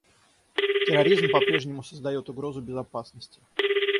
Терроризм по-прежнему создает угрозу безопасности.